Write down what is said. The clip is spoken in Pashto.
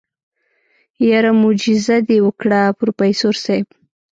يره موجيزه دې وکړه پروفيسر صيب.